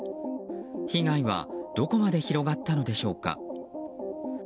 被害はどこまで広がったのでしょうか。